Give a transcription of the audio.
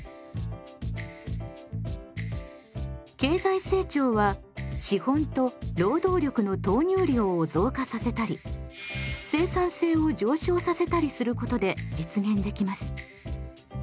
経済成長は資本と労働力の投入量を増加させたり生産性を上昇させたりすることで実現できます。